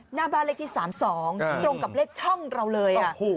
หน้าบ้านเลขที่๓๒ตรงกับเลขช่องเราเลย